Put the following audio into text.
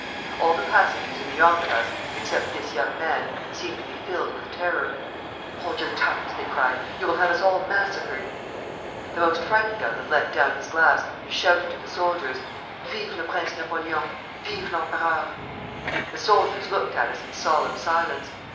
All the passengers in the omnibus, except this young man, seemed to be filled with terror. 'Hold your tongues!' they cried; 'you will have us all massacred.' The most frightened of them let down his glass and shouted to the soldiers: 'Vive le Prince Napoléon! Vive l'empereur!' The soldiers looked at us in solemn silence.